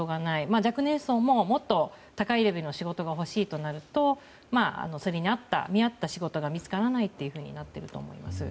若年層ももっと高いレベルの仕事が欲しいとなるとそれに見合った仕事が見つからないというふうになっていると思います。